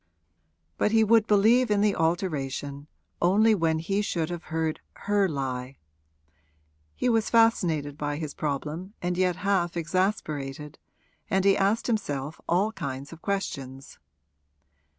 But he would believe in the alteration only when he should have heard her lie. He was fascinated by his problem and yet half exasperated, and he asked himself all kinds of questions.